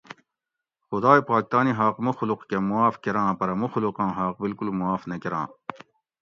خدائ پاک تانی حاق مخلوق کہ معاف کراں پرہ مخلوقاں حاق بالکل معاف نہ کراں